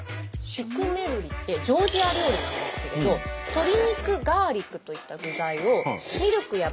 シュクメルリってジョージア料理なんですけれど鶏肉ガーリックといった具材をミルクやバターなどをからめて